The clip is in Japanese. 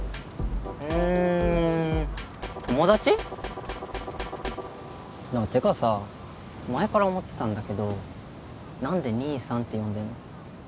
うん友達？ってかさ前から思ってたんだけど何で兄さんって呼んでるの？